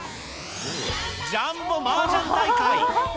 ジャンボマージャン大会。